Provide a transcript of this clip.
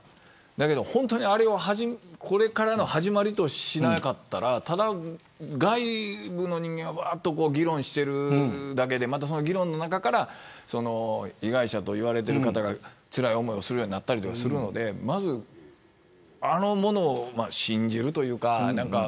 だけど、本当にあれを、これからの始まりとしなかったらただ、外部の人間が議論しているだけで議論の中から被害者といわれている方がつらい思いをするようになったりとかするのでこれから新しくなる。